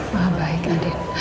maha baik adin